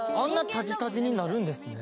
タジタジになるんですね